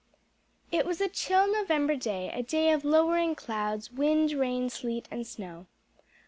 _ It was a chill November day, a day of lowering clouds, wind, rain, sleet and snow.